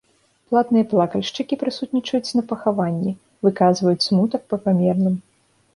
Платныя плакальшчыкі прысутнічаюць на пахаванні, выказваюць смутак па памерлым.